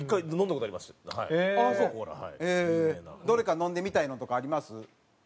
どれか飲んでみたいのとかあります？